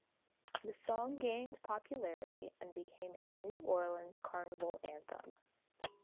The song gained popularity and became a New Orleans carnival anthem.